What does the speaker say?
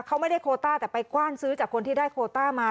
เขาไม่ได้โคต้าแต่ไปกว้านซื้อจากคนที่ได้โคต้ามา